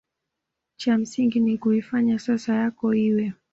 cha msingi ni kuifanya sasa yako iwe